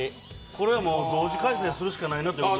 これは同時開催するしかないなというふうに。